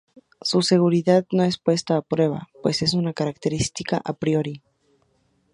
Su seguridad no es puesta a prueba, pues es una característica a priori.